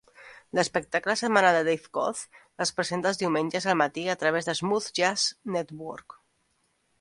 L'espectacle setmanal de Dave Koz es presenta els diumenges al matí a través de Smooth Jazz Network.